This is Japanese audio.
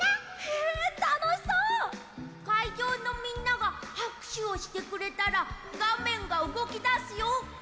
へえたのしそう！かいじょうのみんながはくしゅをしてくれたらがめんがうごきだすよ！